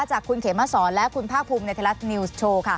จากคุณเขมสอนและคุณภาคภูมิในไทยรัฐนิวส์โชว์ค่ะ